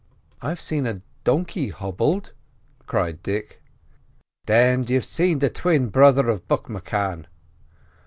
"I've seen a donkey hobbled," cried Dick. "Thin you've seen the twin brother of Buck M'Cann.